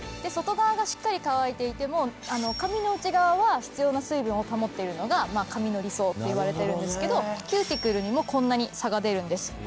外側がしっかり乾いていても髪の内側は必要な水分を保っているのが髪の理想っていわれてるんですけどキューティクルにもこんなに差が出るんです。